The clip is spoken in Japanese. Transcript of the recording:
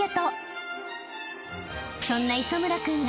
［そんな磯村君が］